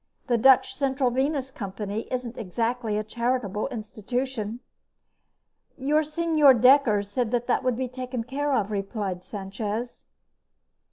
"The Dutch Central Venus Company isn't exactly a charitable institution." "Your Señor Dekker said that would be taken care of," replied Sanchez.